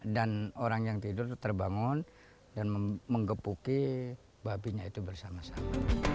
dan orang yang tidur terbangun dan mengepuki babinya itu bersama sama